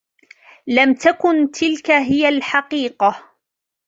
لم تكن تلك هي الحقيقة.